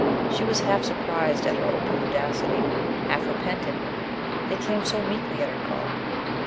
She was half surprised at her open audacity, half repentant. They came so meekly at her call.